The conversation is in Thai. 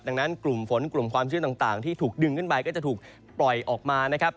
ดังนั้นกลุ่มฝนกลุ่มความชื่นต่างที่ถูกดึงขึ้นไปก็จะถูกปล่อยออกมานะครับ